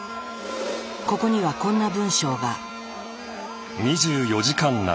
ここにはこんな文章が。